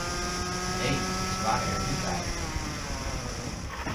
Nee, ze waren er niet bij.